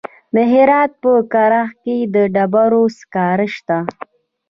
د هرات په کرخ کې د ډبرو سکاره شته.